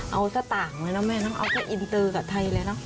เอาสตางค์เลยนะแม่เอาแค่อินเตอร์กับไทยเลยนะ